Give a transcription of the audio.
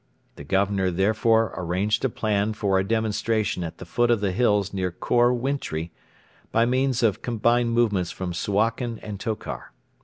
The Governor therefore arranged a plan for a demonstration at the foot of the hills near Khor Wintri by means of combined movements from Suakin and Tokar.